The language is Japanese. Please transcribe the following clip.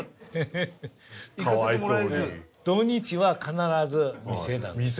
土日は必ず店なんです。